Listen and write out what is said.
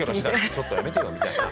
ちょっとやめてよみたいな。